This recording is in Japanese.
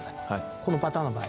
このパターンの場合。